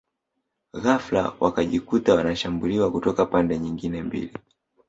Ghafla wakajikuta wanashambuliwa kutoka pande nyingine mbili